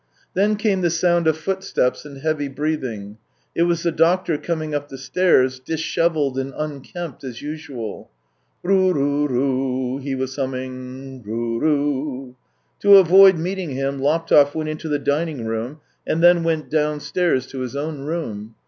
Then came the sound of footsteps and heavy breathing; it was the doctor coming up the stairs, dishevelled and unkempt as usual. " Ru ru ru," he was humming. " Ru ru." To avoid meeting him, Laptev went into the dining room, and then went downstairs to his own room.